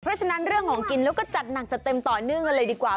เพราะฉะนั้นเรื่องของกินแล้วก็จัดหนักจัดเต็มต่อเนื่องกันเลยดีกว่า